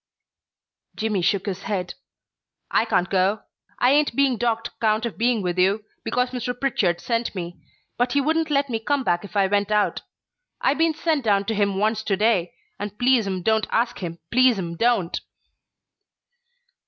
Jimmy shook his head. "I can't go. I ain't being docked 'count of being with you, because Mr. Pritchard sent me, but he wouldn't let me come back if I went out. I been sent down to him once to day, and please 'm don't ask him, please 'm don't!"